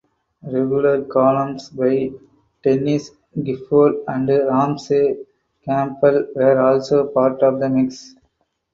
Regular columns by Denis Gifford and Ramsey Campbell were also part of the mix.